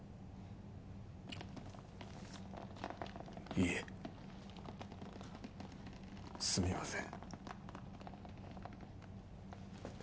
いえすみません。